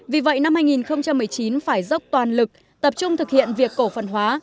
vì vậy năm hai nghìn một mươi chín phải dốc toàn lực tập trung thực hiện việc cổ phần hóa